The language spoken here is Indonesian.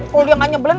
kalo dia gak nyebelin